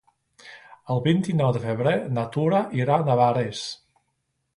El vint-i-nou de febrer na Tura irà a Navarrés.